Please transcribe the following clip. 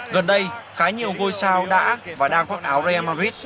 gần đây khá nhiều ngôi sao đã và đang khoác áo real madrid